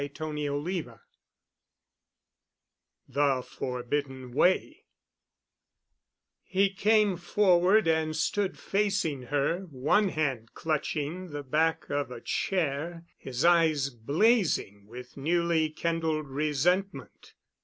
*CHAPTER IV* *THE FORBIDDEN WAY* He came forward and stood facing her, one hand clutching the back of a chair, his eyes blazing with newly kindled resentment.